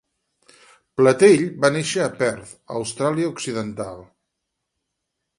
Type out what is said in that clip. Platell va néixer a Perth, Austràlia Occidental.